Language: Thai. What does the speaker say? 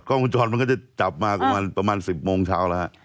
วงจรมันก็จะจับมาประมาณ๑๐โมงเช้าแล้วฮะ